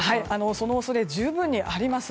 その恐れが十分にあります。